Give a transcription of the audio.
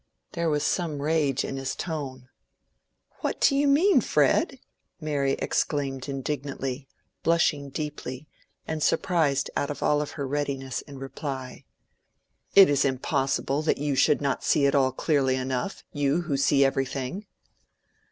There was some rage in his tone. "What do you mean, Fred?" Mary exclaimed indignantly, blushing deeply, and surprised out of all her readiness in reply. "It is impossible that you should not see it all clearly enough—you who see everything."